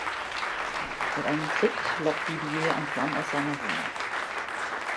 Mit einem Trick lockt Didier Antoine aus seiner Wohnung.